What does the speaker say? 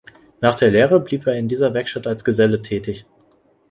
Nach der Lehre blieb er in dieser Werkstatt als Geselle tätig.